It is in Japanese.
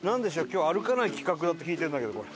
今日は歩かない企画だって聞いてるんだけどこれ。